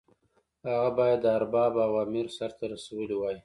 هغه باید د ارباب اوامر سرته رسولي وای.